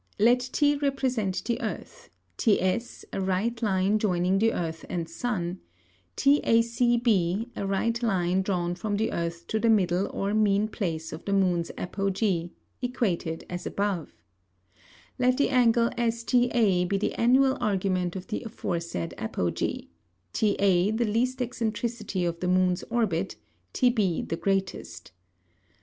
Let T represent the Earth, TS, a Right Line joining the Earth and Sun, TACB, a Right Line drawn from the Earth to the middle or mean Place of the Moon's Apogee, equated, as above: Let the Angle STA be the Annual Argument of the aforesaid Apogee, TA the least Eccentricity of the Moon's Orbit, TB the greatest.